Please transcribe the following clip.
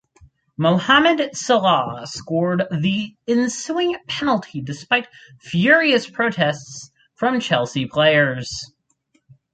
Mohammed Salah scored the ensuing penalty despite furious protests from Chelsea players.